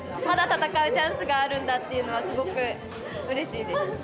まだ戦うチャンスがあるんだっていうのは、すごくうれしいです。